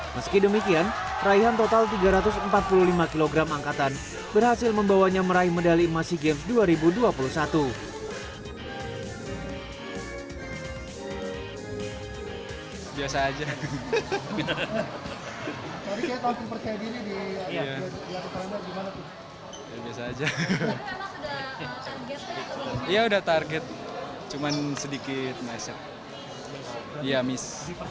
meski demikian raihan total tiga ratus empat puluh lima kg angkatan berhasil membawanya meraih medali sea games dua ribu dua puluh satu